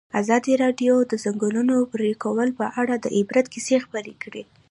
ازادي راډیو د د ځنګلونو پرېکول په اړه د عبرت کیسې خبر کړي.